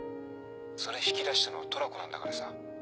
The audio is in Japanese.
それ引き出したのはトラコなんだからさ。